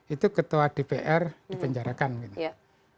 itu ketua dpr dipenjarakan gitu